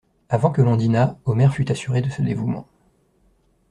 Avant que l'on dînât, Omer fut assuré de ce dévouement.